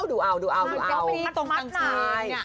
เยอะไปนี่งั้นตรงต่าง